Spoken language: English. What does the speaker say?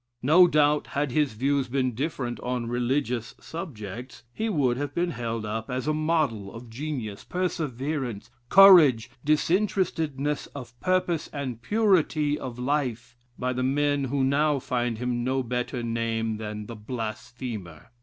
No doubt had his views been different on "religious" subjects, he would have been held up as a model of genius, perseverance, courage, disinterestedness of purpose, and purity of life, by the men who now find him no better name than the "Blasphemer."